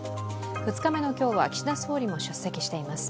２日目の今日は岸田総理も出席しています。